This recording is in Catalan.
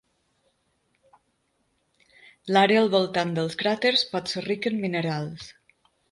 L'àrea al voltant dels cràters pot ser rica en minerals.